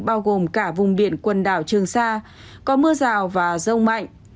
bao gồm cả vùng biển quần đảo trường sa có mưa rào và rông mạnh